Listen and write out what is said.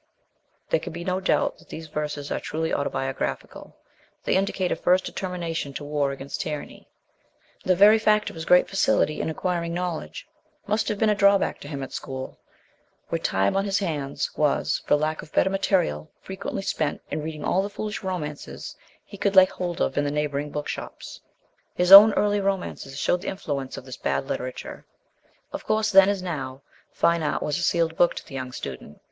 There can be no doubt that these verses are truly autobiographical; they indicate a first determination to war against tyranny. The very fact of his great facility in acquiring knowledge must have been a draw back to him at school where time on his hands was, for lack of better material, frequently spent in reading all the foolish romances he could lay hold of in the neighbouring book shops. His own early romances showed the influence of this bad literature. Of course, 40 MBS. SHELLEY. then as now, fine art was a sealed book to the young student.